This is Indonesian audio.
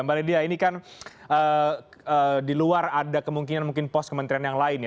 mbak lydia ini kan di luar ada kemungkinan mungkin pos kementerian yang lain ya